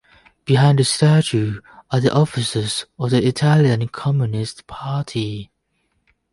Behind the statue are the offices of the Italian Communist party.